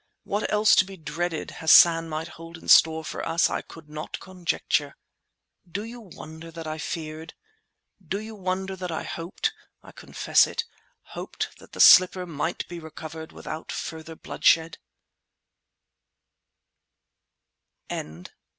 What else to be dreaded Hassan might hold in store for us I could not conjecture. Do you wonder that I feared? Do you wonder that I hoped (I confess it), hoped that the slipper might be recovered without further bloodshed?